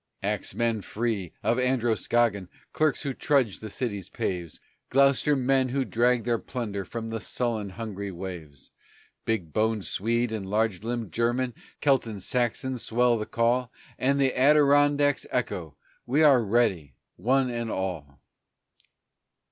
Axemen free, of Androscoggin, Clerks who trudge the cities' paves, Gloucester men who drag their plunder From the sullen, hungry waves, Big boned Swede and large limbed German, Celt and Saxon swell the call, And the Adirondacks echo: "We are ready, one and all."